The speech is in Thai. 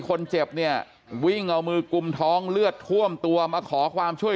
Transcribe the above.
คนเจ็บเนี่ยวิ่งเอามือกุมท้องเลือดท่วมตัวมาขอความช่วย